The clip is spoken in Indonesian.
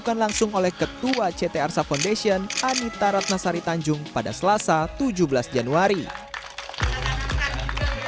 dalam kesempatan ini ketua ct arsa foundation anitha ratnasari tanjung mengucapkan terima kasih yang menerima